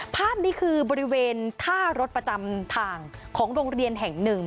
ภาพนี้คือบริเวณท่ารถประจำทางของโรงเรียนแห่งหนึ่ง